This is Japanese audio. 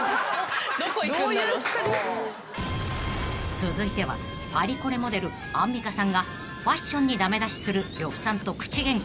［続いてはパリコレモデルアンミカさんがファッションに駄目出しする呂布さんと口ゲンカ］